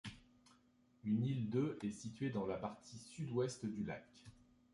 Une île de est située dans la partie Sud-Ouest du lac.